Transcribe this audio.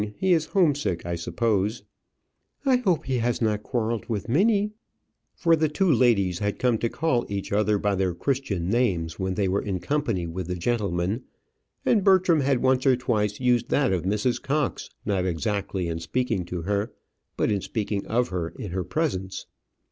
He is home sick, I suppose." "I hope he has not quarrelled with Minnie." For the two ladies had come to call each other by their Christian names when they were in company with the gentlemen; and Bertram had once or twice used that of Mrs. Cox, not exactly in speaking to her, but in speaking of her in her presence.